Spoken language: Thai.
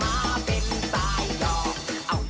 มาเป็นสายย่อเอ้าย่อ